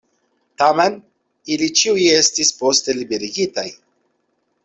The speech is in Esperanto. Tamen, ili ĉiuj estis poste liberigitaj.